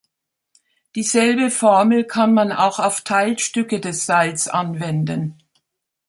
Dieselbe Formel kann man auch auf Teilstücke des Seils anwenden.